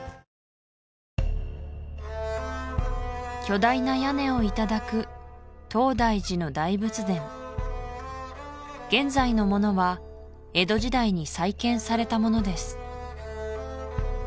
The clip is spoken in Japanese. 巨大な屋根をいただく東大寺の大仏殿現在のものは江戸時代に再建されたものです